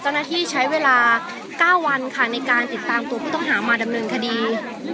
เจ้าหน้าที่ใช้เวลา๙วันค่ะในการติดตามตัวผู้ต้องหามาดำเนินคดี